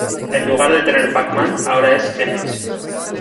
En lugar de tener Pac-Man, ahora es Ms.